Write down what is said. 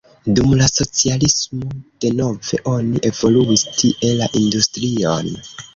Dum la socialismo denove oni evoluis tie la industrion.